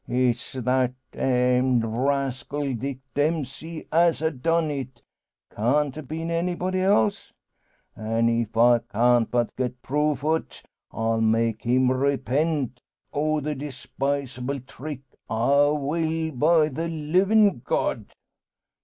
"It's that d d rascal, Dick Dempsey, as ha' done it. Can't a been anybody else? An' if I can but get proof o't, I'll make him repent o' the despicable trick. I will, by the livin' God!"